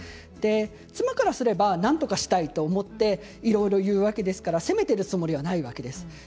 妻からすれば、なんとかしたいと思っていろいろ言うわけですから責めているつもりはないわけです。